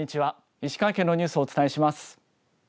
石川県のニュースをお伝えします。